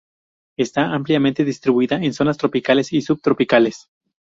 Está ampliamente distribuida en zonas tropicales y subtropicales.